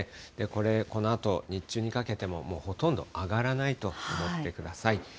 これ、このあと日中にかけても、もうほとんど上がらないと思ってください。